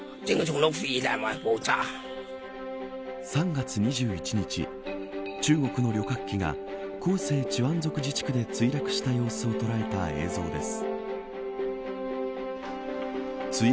３月２１日中国の旅客機が広西チワン族自治区で墜落した様子を捉えた映像です。